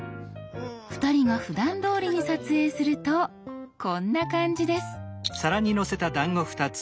２人がふだんどおりに撮影するとこんな感じです。